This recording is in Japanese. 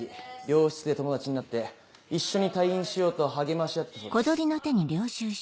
病室で友達になって一緒に退院しようと励まし合ってたそうです。